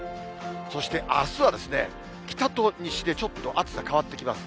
そして、あすは、北と西でちょっと暑さ変わってきます。